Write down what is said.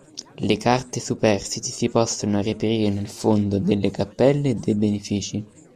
Le carte superstiti si possono reperire nel fondo delle cappelle e dei benefici.